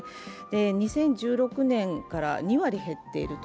２０１６年から２割減っていると。